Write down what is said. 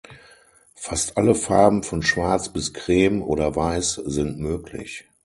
Fast alle Farben von Schwarz bis Creme oder Weiß sind möglich.